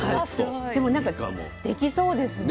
でもなんかできそうですね。ね。